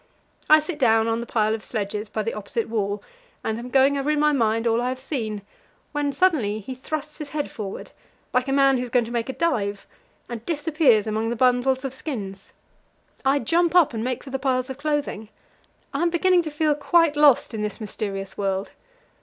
I sit down on the pile of sledges by the opposite wall, and am going over in my mind all I have seen, when suddenly he thrusts his head forward like a man who is going to make a dive and disappears among the bundles of skins. I jump up and make for the piles of clothing; I am beginning to feel quite lost in this mysterious world.